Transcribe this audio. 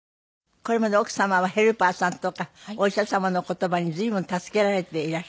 これまで奥様はヘルパーさんとかお医者様の言葉に随分助けられていらした。